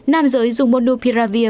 nam giới dùng modulavir